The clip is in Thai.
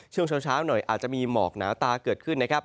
ช่วงเช้าหน่อยอาจจะมีหมอกหนาตาเกิดขึ้นนะครับ